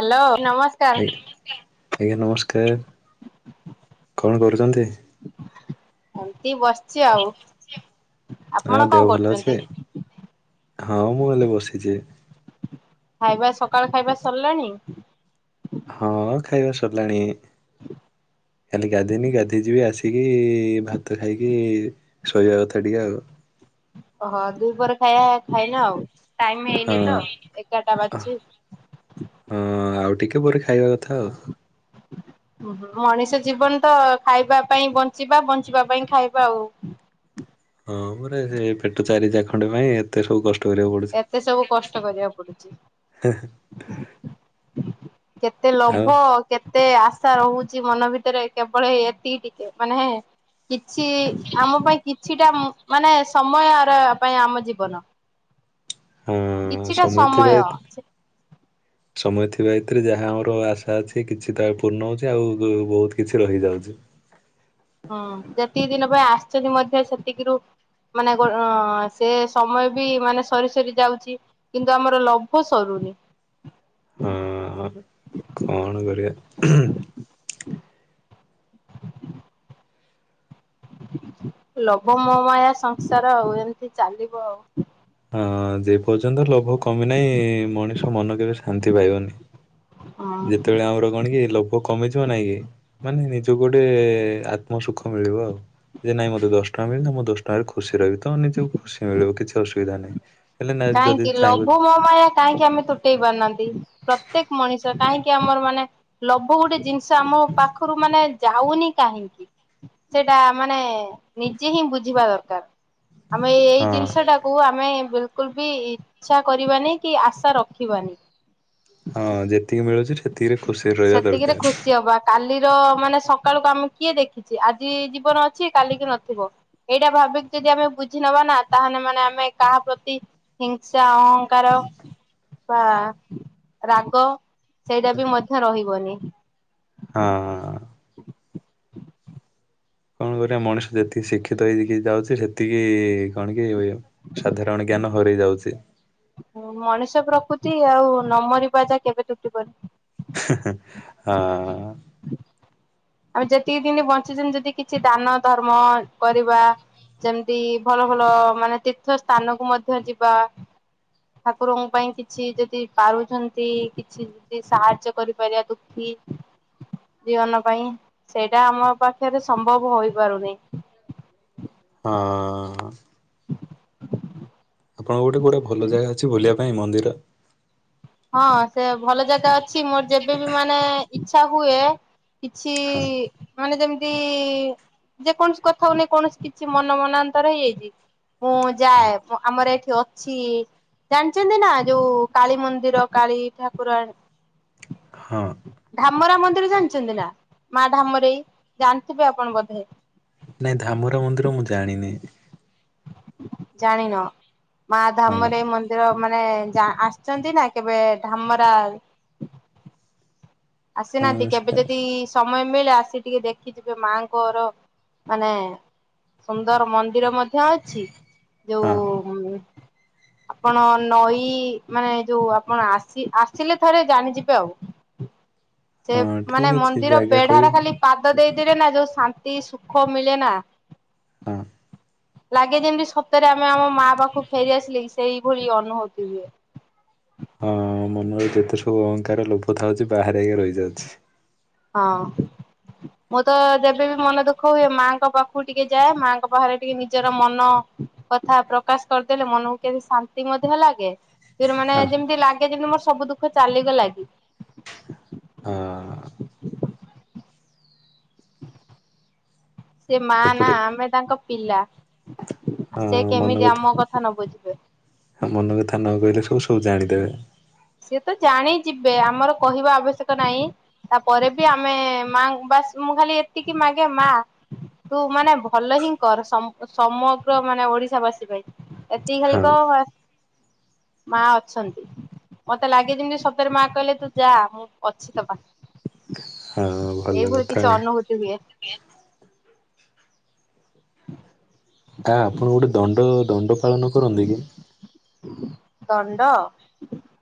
Hello ନମସ୍କାର। ଆଜ୍ଞା ନମସ୍କାର ଆଜ୍ଞା ନମସ୍କାର। କଣ କରୁଛନ୍ତି? ଏମିତି ବସିଛି ଆଉ। ହଁ ଆପଣ କଣ ଦେହ ଭଲ କରୁଛନ୍ତି? ଅଛି ହଁ ମୁଁ ହେଲେ ବସିଛି। ଖାଇବା ସକାଳ ଖାଇବା ସରିଲାଣି। ହଁ ଖାଇବା ସରିଲାଣି ଖାଲି ଗାଧେଇନି ଗାଧେଇ ଯିବି ଆସିକି ଭାତ ଖାଇକି ଶୋଇବା କଥା ଟିକେ ଆଉ। ଓ ହୋ ଦୁଇ ପ୍ରହର ଖାଇବା ଖାଇନ ଆଉ ଟାଇମ୍ ହେଇନି ତ ହଁ ଏଗାରଟା ବାଜିଚି। ହଁ ଆଉ ଟିକେ ପରେ ଖାଇବା କଥା ଆଉ। ମଣିଷ ଜୀବନ ତ ଖାଇବା ପାଇଁ ବଞ୍ଚିବା ବଞ୍ଚିବା ପାଇଁ ଖାଇବା ଆଉ। ହଁ ମାନେ ଏ ପେଟ ଚାରି ଚାଖଣ୍ଡ ପାଇଁ ଏତେ ସବୁ କ କଷ୍ଟ କରିବାକୁ ଏତେ ସବୁ କଷ୍ଟ କରିବାକୁ ପଡୁଛି। କେତେ ଆଉ ଲୋଭ କେତେ ଆଶା ରହୁଛି ମନ ଭିତରେ କେବଳ ଏତିକି ଟିକେ ମାନେ କିଛି ଆମ ପାଇଁ କିଛିଟା ମାନେ ସମୟର ପାଇଁ ଆମ ଜୀବନ। ହଁ କିଛିଟା ଥିବା ସମୟ। ଏତେ ସମୟ ଥିବା ଏଥିରେ ଯାହା ଆମର ଆଶା ଅଛି କିଛି ତ ପୂର୍ଣ୍ଣ ହଉଛି ଆଉ ବହୁତ୍ କିଛି ରହିଯାଉଛି। ହଁ ଯେତିକି ଦିନ ପାଇଁ ଆସିଛନ୍ତି ମଧ୍ୟ ସେତିକିରୁ ମାନେ ଗୋ ଅଁ ସେ ସମୟ ବି ମାନେ ସରି ସରି ଯାଉଛି। କିନ୍ତୁ ଆମର ଲୋଭ ସରୁନି। ହଁ କଣ କରିବା? ହୁଁ। [inaudible] ଲୋଭ ମୋମାୟା ସଂସାର ଆଉ ଏମିତି ଚାଲିବ ଆଉ ହଁ ଯେ ପର୍ଯ୍ୟନ୍ତ ଲୋଭ କମି ନାହିଁ ମଣିଷ ମନ କେବେ ଶାନ୍ତି ପାଇବନି, ହଁ ଯେତେ ସେତେବେଳେ ଆମର କଣ କି ଲୋଭ କମିଯିବ ନାଇଁ କି ମାନେ ନିଜକୁ ଗୋଟେ ଆତ୍ମ ସୁଖ ମିଳିବ ଆଉ ଯେ ନାଇଁ ମତେ ଦଶ ଟଙ୍କା ମିଳିଲ ମୁଁ ଦଶ ଟଙ୍କାରେ ଖୁସି ରହିବି ତ ନିଜକୁ ଖୁସି ମିଳିବ କିଛି ଅସୁବିଧା ନାହିଁ। ହେଲେ ନା ଯଦି କାହିଁକି ଚାହିଁବ ଲୋଭ ମୋ ୟା କାହିଁକି ଆମେ ତୁଟେଇ ପାରୁନାହାନ୍ତି ପ୍ରତ୍ୟେକ ମଣିଷ କାହିଁକି ଆମର ମାନେ। ଲୋଭ ଗୋଟେ ଜିନିଷ ଆମ ପାଖରୁ ମାନେ ଯାଉନି କାହିଁକି? ସେଇଟା ମାନେ ନିଜେ ହିଁ ବୁଝିବା ଦରକାର ଆମେ ଏ ଏଇ ହଁ ଜିନିଷ ଟା। କୁ ଆମେ ବିଲକୁଲ ବି ଇଚ୍ଛା କରିବାନି କି ଆଶା ରଖିବାନି। ହଁ ଯେତିକି ମିଳୁଛି ସେତିକିରେ ଖୁସିରେ ରହିବା ସେତିକିରେ ଦରକାର। ଖୁସି ହବା କାଲିର ମାନେ ସକାଳକୁ ଆମେ କିଏ ଦେଖିଛିେ ଆଜି ଜୀବନ ଅଛି କାଲିକି ନଥିବ। ଏଇଟା ଭାବିକି ଯଦି ଆମେ ବୁଝି ନବା ନା ତାହେଲେ ମାନେ ଆମେ କାହା ପ୍ରତି ହିଂସା ଅ କାର ବା ରାଗ ସେଇଟା ବି ମଧ୍ୟ ରହିବନି। ହଁ। କଣ କରିବା ମଣିଷ ଯେତିକି ଶିକ୍ଷିତ ହେଇକି ଯାଉଛି। ଏତିକି କଣ କିଏ ସାଧାରଣ ଜ୍ଞାନ ହରେଇ ଯାଉଛି। ମଣିଷ ପ୍ରକୃତି ଆଉ ନମରିବା ଯା କେବେ ତୁଟି ପାରୁ ହଁ। ଆମେ ଯେତିକି ଦିନ ବଞ୍ଚିଛନ୍ତି ଯଦି କିଛି ଦାନ ଧର୍ମ କରିବା। ଯେମିତି ଭଲ ଭଲ ମାନେ ତୀର୍ଥ ସ୍ଥାନକୁ ମଧ୍ୟ ଯିବା। ଠାକୁରଙ୍କ ପାଇଁ କିଛି ଯଦି ପାରୁଛନ୍ତି କିଛି। ଯି ସାହାଯ୍ୟ କରିପାରିବା ଦୁଃଖୀ ଜୀବନ ପାଇଁ ସେଇଟା ଆମ ପାଖରେ ସମ୍ଭବ ହୋଇପାରୁନି। ହଁ। ଆପଣଙ୍କ ଗୋଟେ ଗୋଟେ ଭଲ ଜାଗା ଅଛି ବୁଲିବା ପାଇଁ ମନ୍ଦିର? ହଁ ସେ ଭଲ ଜାଗା ଅଛି ମୋର ଯେବେବ ମାନେ ଇଚ୍ଛା ହୁଏ। କିଛି ହଁ ମାନେ ଯେମିତି ଯେକୌଣସି କଥା ହୋଇ ନେଇ କୌଣସି କିଛି ମନ ମନାନ୍ତର ହେଇଯାଇଛି। ମୁଁ ଯାଏ ଆମର ଏଇଠି ଅଛି ଜାଣିଛନ୍ତି ନା ଯୋଉ କାଳୀ ମନ୍ଦି ମନ୍ଦିର କାଳୀ ଠାକୁରା ହଁ। ଢାମରା ମନ୍ଦିର ଜାଣିଛନ୍ତି ନା ମା ଢାମରେ ଜାଣିଥିବେ ଆପଣ ବୋଧେ। ନାଇଁ ଧାମର ମନ୍ଦିର ମୁଁ ଜାଣିନି। ଜାଣିନ ମା ହଁ ଧାମରେ ମନ୍ଦି ମାନେ ଆସିଛନ୍ତି ନା କେବେ ଧାମରା। ହଁ ଆସିନାହାନ୍ତି କେବେ ସେଟା ଯଦି ସମୟ ମିଳେ ଆସି ଟିକେ ଦେଖିଯିବେ ମାଆଙ୍କର ମାନେ। ସୁନ୍ଦର ମନ୍ଦିର ମଧ୍ୟ ଅଛି ବ୍ୟ ହଁ। ହୁ। ଆପଣ ନଈ ମାନେ ଯୋଉ ଆପଣ ଆସି ଆସିଲେ ଥରେ ଜାଣିଯିବେ ଆଉ। ସେ ହଁ ମାନେ ଠିକ୍ ଅଛି ମନ୍ଦିର ଜାଗା ପେଢାରେ କହିବେ ଖାଲି ପାଦ ଦେଇଥିଲେ ନା ଯୋଉ ଶାନ୍ତି ସୁଖ ମିଳେ ନା। ହଁ। ଲାଗେ ଯେମିତି ସତରେ ଆମେ ଆମ ମା ପାଖକୁ ଫେରିଆସିଲେ ସେଇଭଳି ଅନୁଭୂତି ହୁଏ। ହଁ ମନରେ ଯେତେ ସବୁ ଅହଙ୍କାର ଲୋଭ ଥାଉଛି ବାହାରେ ହେଇ ରହିଯାଉଛି। ହଁ ମୁଁ ତ ଯେବେ ବି ମନ ଦୁଃଖ ହୁଏ ମାଙ୍କ ପାଖ କୁ ଟିକେ ଯାଏ ମାଙ୍କ ବାହାରେ ଟିକେ ନିଜର ମନ କଥା ପ୍ରକାଶ କରିଦେଲେ ମନକୁ କେବେ ଶାନ୍ତି ମଧ୍ୟ ଲାଗେ। ସେତିକିରେ ମାନେ ହଁ ଯେମିତି ଲାଗେ ଯେମିତି ମୋର ସବୁ ଦୁଃଖ ଚାଲିଗଲା କି। ହଁ। ସେ ମା ନା ସେପଟେ ଆମେ ତାଙ୍କ ପିଲା ହଁ ସେ କେମିତି ଆମ କଥା ନ ବୁଝିବେ। ଆ ମନ କଥା ନ କହିଲେ ସବୁ ସବୁ ଜାଣିଦେବେ। ସିଏ ତ ଜାଣି ଯିବେ ଆମର କହିବା ଆବଶ୍ୟକ ନାଇଁ। ତାପରେ ବି ଆମେ ମା ବାସ ମୁଁ ଖାଲି ଏତିକି ମାଗେ ମା ତୁ ମାନେ ଭଲ ହିଁ କର ସମ ସମଗ୍ର ମାନେ ଓଡିଶା ବାସୀ ପାଇଁ। ଏତିକି ଖାଲି ହଁ କ ମା ଅଛନ୍ତି। ମତେ ଲାଗେ ଯେମିତି ସତରେ ମା କହିଲେ ତୁ ଯା ମୁଁ ଅଛି ତୋ ପାଖ ଏଇଭଳି କିଛି ଅନୁଭୂତି ହୁଏ। କିଏ। ଆ ଆପଣ ଗୋଟେ ଦଣ୍ଡ ଦଣ୍ଡ ପାଳନ କରନ୍ତି କି? ଦଣ୍ଡ।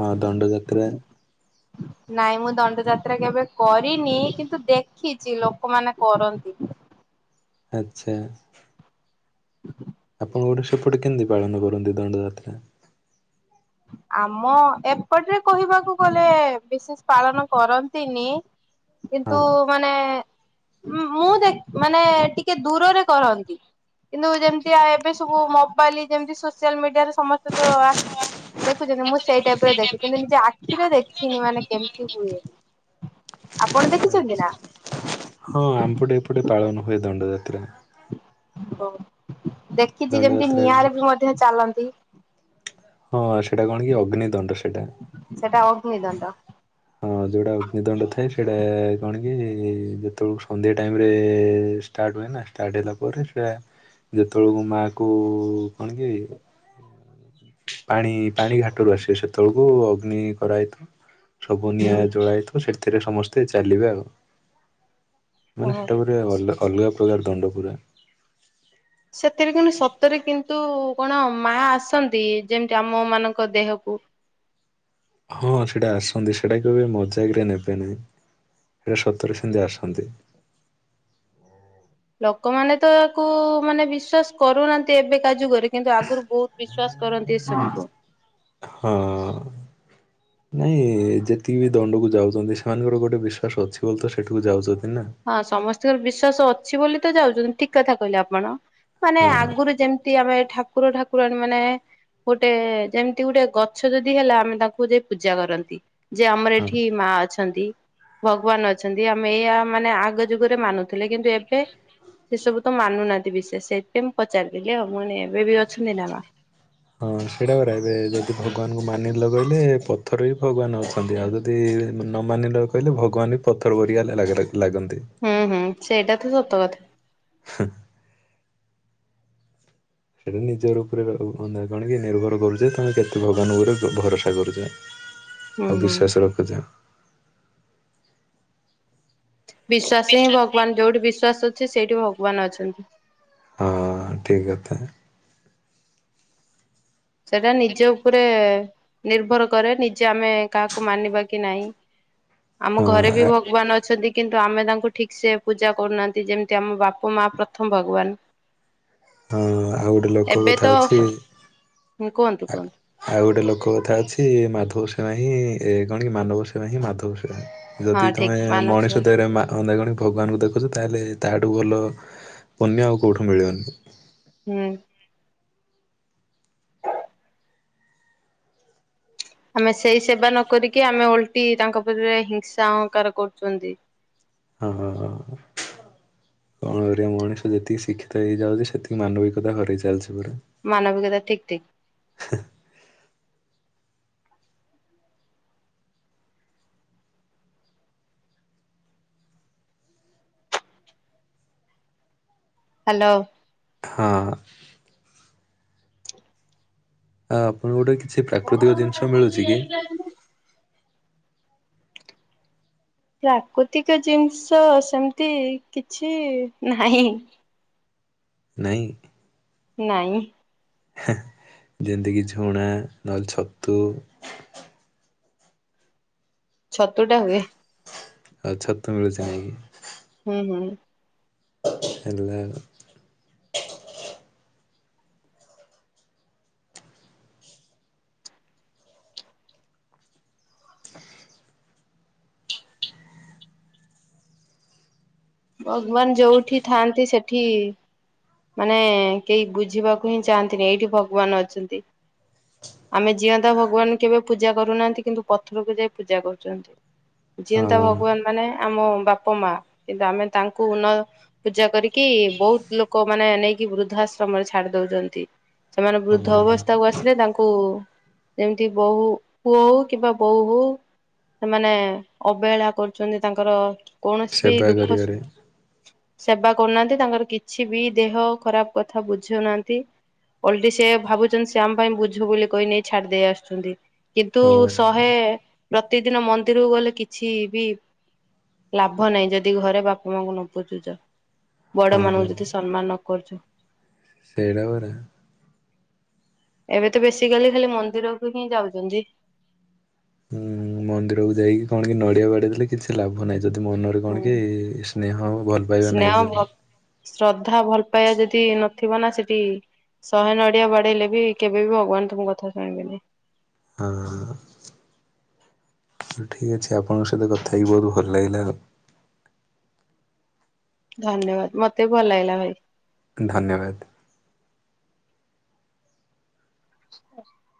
ହଁ ଦଣ୍ଡଯାତ୍ରା। ହୁଁ ନାଇଁ ମୁଁ ଦଣ୍ଡ ଯାତ୍ରା କେବେ କରିନି କିନ୍ତୁ ଦେଖିଛି ଲୋକମାନେ କରନ୍ତି। ଆଚ୍ଛା। ଆପଣ ଗୋଟେ ସେପଟେ କେମିତି ପାଳନ କରନ୍ତି ଦଣ୍ଡଯାତ୍ରା। ଆମ ଏପଟରେ କହିବାକୁ ଗଲେ ବିଶେଷ ପାଳନ କରନ୍ତିନି। ହଁ କିନ୍ତୁ ମାନେ ମୁଁ ଦେଖ୍ ମାନେ ଟିକେ ଦୂରରେ କରନ୍ତି। କିନ୍ତୁ ଯେମିତିଆ ଏବେ ସବୁ ମୋବାଇଲ ଯେମିତି ସୋସିଆଲ ମିଡିଆରେ ସମସ୍ତେ ତ ଆ ଦେଖୁଛନ୍ତି ମୁଁ ସେଇ ଟାଇପରେ ଦେଖେ କିନ୍ତୁ ନିଜ ଆଖିରେ ଦେଖିନି ମାନେ କେମିତି ହୁଏ। ଆଗରୁ ଦେଖିଛନ୍ତି ନା? ହଁ ଆମପଟେ ଏପଟେ ପାଳନ ହୁଏ ଦଣ୍ଡଯାତ୍ରା। ହଉ ଦେଖିଛି ଯେମିତି ଦଣ୍ଡଯାତ୍ରା ନିଆଁରେ ବି ମଧ୍ୟ ଚାଲନ୍ତି। ହଁ ସେଟା କଣ କି ଅଗ୍ନଦଣ୍ଡ ସେଟା। ସେଟା ଅଗ୍ନି ଦଣ୍ଡ। ହଁ ଯେଉଁଟା ଅଗ୍ନିଦଣ୍ଡ ଥାଏ ସେଇଟା କଣ କି ଯେତଳୁ ସନ୍ଧ୍ୟା ଟାଇମରେ ଷ୍ଟାର୍ଟ ହୁଏ ନା ଷ୍ଟାର୍ଟ ହେଲା ପରେ ସେଟା ଯେତଳକୁ ମା କୁ କଣ କି? ପାଣି ପାଣି ଘାଟରୁ ଆସିବେ ସେତଅଳକୁ ଅଗ୍ନି କରାହେଇଥା ସବୁ ନିଆଁ ଜଳା ହେଇଥିବ ସେଥିରେ ସମସ୍ତେ ଚାଲିବେ ଆଉ ମାନେ ହଁ। ସେଟା ଗୋ ପୁରା ଅଲ ଅଲଗା ପ୍ରକାର ଦଣ୍ଡ ପୁରା। ସେଥିରେ କିନ୍ତୁ ସତରେ କିନ୍ତୁ କଣ ମା ଆସନ୍ତି ଯେମିତି ଆମ ମାନଙ୍କ ଦେହକୁ। ହଁ ସେଟା ଆସନ୍ତି ସେଟା କେବେ ମଜାକରେ ନେବେ ନାଇଁ। ସେଟା ସତରେ ସେନ୍ତି ଆସନ୍ତି। ଲୋକମାନେ ତ ତାକୁ ମାନେ ବିଶ୍ଵାସ କରୁନାହାନ୍ତି ଏବେ କା ଯୁଗ ରେ କିନ୍ତୁ ଆଗରୁ ବହୁତ ବିଶ୍ୱାସ କରନ୍ତି ଏସବୁକୁ। ହଁ। ନାଇଁ ଯେତିକି ବି ଦଣ୍ଡକୁ ଯାଉଛନ୍ତି ସେମାନଙ୍କର ଗୋଟେ ବିଶ୍ଵାସ ଅଛି ବୋଲି ତ ସେଠିକୁ ଯାଉଛନ୍ତି ନା। ହଁ ସମସ୍ତିଙ୍କର ବିଶ୍ୱାସ ଅଛି ବୋଲି ତ ଯାଉଛନ୍ତି ଠିକ୍ କଥା କହିଲେ ଆପଣ ମାନେ ହଁ ଆଗରୁ ଯେମ ତି ଆମେ ଠାକୁର ଠାକୁରାଣୀ ମାନେ ଗୋଟେ ଯେମତି ଗୁଟେ ଗଛ ଯଦି ହେଲା ଆମେ ତାଙ୍କୁ ଯାଇ ପୂଜା କରନ୍ତି। ଯେ ଆମର ହଁ ଏଠି ମା ଅଛନ୍ତି ଭଗବାନ ଅଛନ୍ତି ଆମେ ଏଇଆ ମାନେ ଆଗ ଯୁଗରେ ମାନୁଥିଲେ କିନ୍ତୁ ଏବେ ସେ ସବୁ ତ ମାନୁନାହାନ୍ତି ବିଶେଷ ସେଇଥିପାଇଁ ମୁଁ ପଚାରି ଦେଲି ଆଉ ମାନେ ଏବେ ବି ଅଛନ୍ତି ନା ମା। ହଁ ସେଇଟା ପରା ଏବେ ଯଦି ଭଗବାନଙ୍କୁ ମାନିଲ ବୋଇଲେ ପଥରେ ବି ଭଗବାନ ଅଛନ୍ତି ଆଉ ଯ ଦି ନ ମାନିଲ କହିଲେ ଭଗବାନ ବି ପଥର ବରିଆ ଲା ଲା ଲାଗ ଲାଗନ୍ତି। ହୁଁ ହୁଁ ସେଇଟା ତ ସତ କଥା। [unintelligible] ସେଇଟା ନିଜର ଉପରେ ର [unintelligible] କଣକି ନିର୍ଭର କରୁଛେ ତମେ କେତେ ଭଗବାନଙ୍କ ଉପରେ ଭରସା କରୁଛେ। ହୁଁ ଆଉ ହୁଁ। ବିଶ୍ୱାସ ରଖୁଛ। ବିଶ୍ୱାସ ହିଁ ଭଗବାନ ଯୋଉଠି ବିଶ୍ଵାସ ଅଛି ସେଇଠି ଭଗବାନ ଅଛନ୍ତି। ହଁ ଠିକ୍ କଥା। ସେଟା ନିଜ ଉପରେ ନିର୍ଭର କରେ ନିଜେ ଆମେ କାହାକୁ ମାନିବା କି ନାଇ। ଆମ ଘରେ ବି ହଁ ଭଗବାନ ଅଛନ୍ତି କିନ୍ତୁ ଆମେ ତାଙ୍କୁ ଠିକ୍ ସେ ପୂଜା କରୁନାହାନ୍ତି ଯେମିତି ଆମ ବାପ ମା ପ୍ରଥମ ଭଗବାନ। ହଁ ଆଉ ଗୋଟେ ଲୋକ କଥା ଅଛି ହୁଁ କୁହନ୍ତୁ କୁହନ୍ତୁ। ଆଉ ଗୋଟେ ଲୋକ କଥା ଅଛି ମାଧବ ସେବା ହିଁ ଏ କଣ କି ମାନବ ସେବା ହିଁ ମାଧବ ସେବା। ହଁ ଯଦି ଠିକ ତୁମେ ମାନବ ସେବା ମଣିଷ ଦେହରେ ମା [unintelligible] ଭଗବାନଙ୍କୁ ଦେଖୁଛ ତାହେଲେ ତାହାଠୁ ଭଲ ପୁନ୍ୟ ଆଉ କଉଠୁ ମିଳିବନି। ହୁଁ। ଆମେ ସେଇ ସେବା ନ କରିକି ଆମେ ଓଲଟି ତାଙ୍କ ଉପରେ ହିଂସା ଅହଙ୍କାର କରୁଚନ୍ତି। ହ ହ ହ। କଣ କରିବା ମଣିଷ ଯେତିକି ଶିକ୍ଷିତ ହେଇଯାଉଛି ସେତିକି ମାନବିକତା ହରଇ ଚାଲିଛି ପୁରା। ମାନବିକତା ଠିକ୍ ଠିକ୍। ହାଲୋ। ହଁ। ଆଁ ଆପଣଙ୍କୁ ଗୋଟେ କିଛି ପ୍ରାକୃତିକ ଜିନିଷ ମିଳୁଛି କି? ପ୍ରାକୃତିକ ଜିନିଷ ସେମିତି କିଛି ନାହିଁ। ନାଇଁ? ନାଇଁ। [unintelligible] ଯେମ୍ତିକି ଝୁଣା ନହେଲେ ଛତୁ। ଛତୁଟା ହୁଏ। ଆଉ ଛତୁ ମିଳୁଛି ନାହିଁ କି। ହୁଁ ହୁଁ। ହେଲା ଆଉ। ଭଗବାନ୍ ଯୋଉଠି ଥାଆନ୍ତି ସେଠି ମାନେ କେହି ବୁଝିବାକୁ ହିଁ ଚାହାନ୍ତିନି ଏଇଠି ଭଗବାନ ଅଛନ୍ତି। ଆମେ ଯିଅନ୍ତା ଭଗବାନୁ କେବେ ପୂଜା କରୁନାହାନ୍ତି କିନ୍ତୁ ପଥରକୁ ଯାଇ ପୂଜା କରୁଚନ୍ତି। ଯିଅନ୍ତା ଭଗବାନ୍ ହଁ ମାନେ ଆମ ବାପ ମା କିନ୍ତୁ ଆମେ ତାଙ୍କୁ ନ ପୂଜା କରିକି ବହୁତ ଲୋ କ ମାନେ ନେଇକି ବୃଦ୍ଧାଶ୍ରମରେ ଛାଡି ଦଉଚନ୍ତି। ସେମାନେ ବୃଦ୍ଧ ହଁ। ଅବସ୍ଥାକୁ ଆସିଲେ ତାଙ୍କୁ ଯେମିତି ବୋହୂ ପୁଅ ହଉ କିମ୍ବା ବୋହୂ ହଉ ସେମାନେ ଅବେହେଳା କରୁଚନ୍ତି ତାଙ୍କର କୌଣସି ବି ସେବା ଦୁଃଖ କରିବାରେ ସେବା କରୁନାହାନ୍ତି ତାଙ୍କର କିଛି ବି ଦେହ ଖରାପ କଥା ବୁଝୁ ନାହାନ୍ତି। ଓଲଟି ସେ ଭାବୁଛନ୍ତି ସେ ଆମ୍ ପାଇଁ ବୁଝୁ ବୋଲି କହି ନେଇ ଛାଡ୍ ଦେଇ ଆସୁଛନ୍ତି କିନ୍ତୁ ହଁ ସ ହେ ପ୍ରତିଦିନ ମନ୍ଦିରକୁ ଗଲେ କିଛି ବି ଲାଭ ନାହିଁ ଯଦି ଘରେ ବାପା ମାଙ୍କୁ ନ ପୂଜୁଚ। ବଡ ହଁ ମାନଙ୍କୁ ଯଦି ସମ୍ମାନ ନ କରୁଚ। ସେଇଟା ବରା। ଏବେ ତ ବେଶୀକାଲି ଖାଲି ମନ୍ଦିରକୁ ହିଁ ଯାଉଛନ୍ତି। ହୁଁ। ମନ୍ଦିରକୁ ଯାଇକି କଣ କି ନଡିଆ ବାଡେଇ ଦେଲେ କିଛି ଲାଭ ନାହିଁ। ଯଦି ମନ ହୁଁ କଣ କି ସ୍ନେହ ଆଉ ଭଲ ପାଇବା ସ୍ନେହ ନାହିଁ। ଭ ଶ୍ରଦ୍ଧା ଭଲ ପାଇବା ଯଦି ନଥିବ ନା ସେଠି ଶହେ ନଡିଆ ବାଡେଇଲେ ବି କେବେ ବି ଭଗବାନ ତମ କଥା ଶୁଣିବେନି। ହଁ। ଠିକ୍ ଅଛି ଆପଣଙ୍କ ସହିତ କଥା ହେଇକି ବହୁତ ଭଲ ଲାଗିଲା ଆଉ। ଧନ୍ୟବାଦ ମତେ ଭଲଲାଗିଲା ଭାଇ। ଧନ୍ୟବାଦ। [unintelligible]